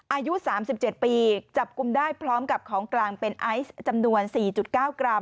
อายุ๓๗ปีจับกลุ่มได้พร้อมกับของกลางเป็นไอซ์จำนวน๔๙กรัม